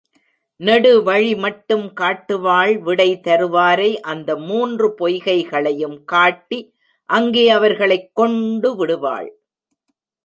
நெடு வழிமட்டும் காட்டுவாள் விடை தருவாரை அந்த மூன்று பொய்கைகளையும் காட்டி அங்கே அவர்களைக் கொண்டு விடுவாள்.